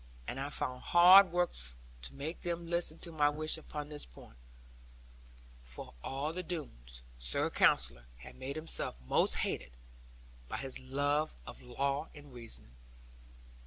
And I found hard work to make them listen to my wish upon this point; for of all the Doones, Sir Counsellor had made himself most hated, by his love of law and reason.